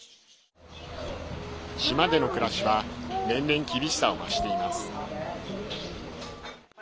島での暮らしは年々、厳しさを増しています。